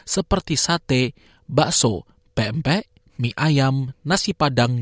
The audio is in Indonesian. seperti sate bakso pempek mie ayam nasi padang